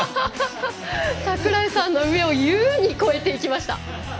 櫻井さんの上を優に超えていきました。